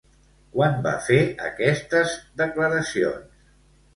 Quan va fer aquestes declaracions?